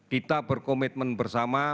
kita berkomitmen bersama